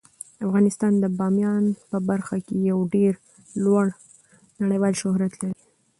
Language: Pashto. افغانستان د بامیان په برخه کې یو ډیر لوړ نړیوال شهرت لري.